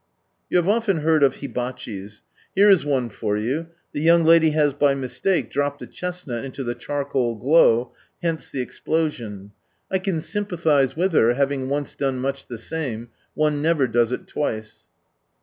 ,u You have often heard of Hibachifs. Here is one for you, the young lady has by mistake dropped a chestnut into the charcoal glow, hence the explosion. I can sympathise with her, having once done much the same, — one never does it twice.